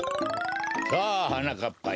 さあはなかっぱよ。